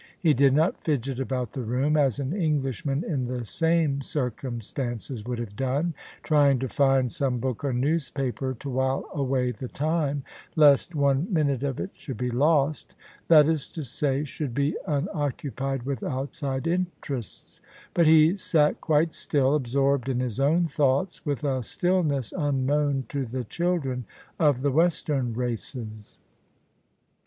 He did not fidget about the room, as an Englishman in the same circumstances would have done, trying to find some book or newspaper to while away the time lest one minute of it should be lost — ^that is to say, should be imoc cupied with outside interests: but he sat quite still, absorbed in his own thoughts, with a stillness unknown to the chil dren of the Western races.